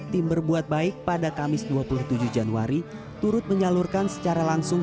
tim berbuat baik pada kamis dua puluh tujuh januari turut menyalurkan secara langsung